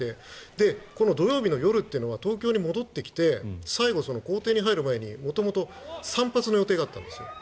で、この土曜日の夜というのは東京に戻ってきて最後、公邸に入る前に元々、散髪の予定だったんです。